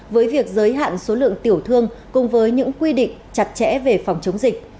với việc giới hạn số lượng tiểu thương cùng với những quy định chặt chẽ về phòng chống dịch